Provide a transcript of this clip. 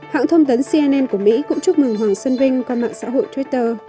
hãng thông tấn cnn của mỹ cũng chúc mừng hoàng xuân vinh qua mạng xã hội twitter